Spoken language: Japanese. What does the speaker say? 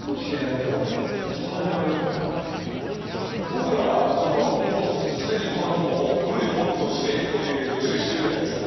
僕らはそのもう既にこの本を古い本として接してるじゃないですか。